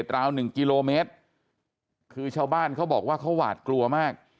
ราวหนึ่งกิโลเมตรคือชาวบ้านเขาบอกว่าเขาหวาดกลัวมาก